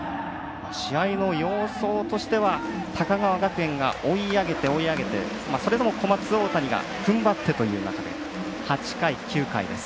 試合の様相としては高川学園が追い上げて追い上げてそれでも小松大谷がふんばってという中で８回、９回です。